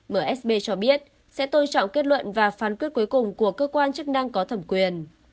msb cho biết sẽ tôn trọng kết luận và phán quyết cuối cùng của cơ quan chức năng có thẩm quyền